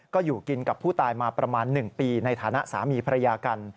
ก็อยู่กินกับผู้ตายมาประมาณ๑ปีในฐานะสามีภรรยากัน